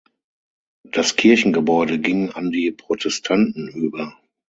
Das Kirchengebäude ging an die Protestanten über.